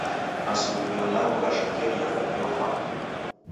Masuw'irio nagho ghashekeriagha iyo fwana.